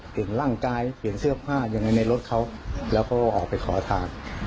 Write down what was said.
เปลี่ยนร่างกายเปลี่ยนเสื้อผ้ายังไงในรถเขาแล้วก็ออกไปขอทาน